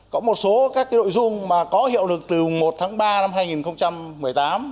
có một số các cái nội dung mà có hiệu lực từ một tháng ba năm hai nghìn một mươi tám